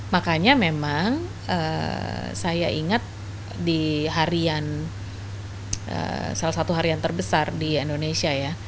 makanya memang saya ingat di harian salah satu harian terbesar di indonesia ya